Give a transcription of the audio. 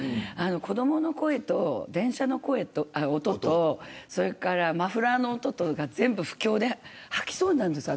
子どもの声と、電車の音とそれからマフラーの音と全部不協で吐きそうになるんです。